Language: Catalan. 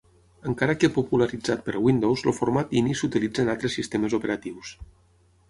Encara que popularitzat per Windows el format Ini s'utilitza en altres sistemes operatius.